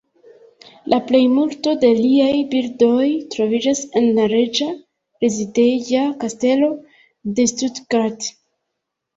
La plejmulto de liaj bildoj troviĝas en la Reĝa rezideja kastelo de Stuttgart.